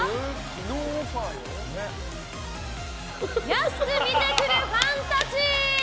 安く見てくるファンたち。